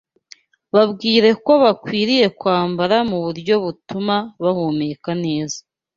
Babwire ko bakwiriye kwambara mu buryo butuma bahumeka neza